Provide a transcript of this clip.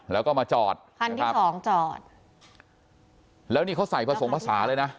แล้วก็มาจอดคันที่สองจอดแล้วนี่เขาใส่ผสมภาษาเลยนะ